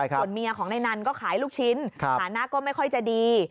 ส่วนเมียของนายนันก็ขายลูกชิ้นฐานะก็ไม่ค่อยจะดี